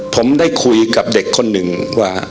ผมได้คุยกับเด็กคนหนึ่งว่า